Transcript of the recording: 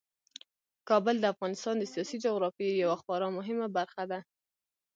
کابل د افغانستان د سیاسي جغرافیې یوه خورا مهمه برخه ده.